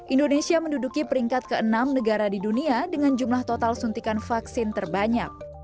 indonesia menduduki peringkat ke enam negara di dunia dengan jumlah total suntikan vaksin terbanyak